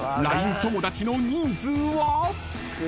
友だちの人数は？］